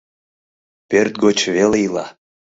Пӧрт гоч веле ила.